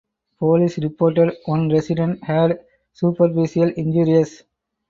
Police reported one resident had superficial injuries.